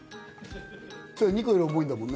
２個より重いんだもんね。